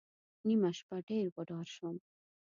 نیمه شپه ډېر وډار شوم.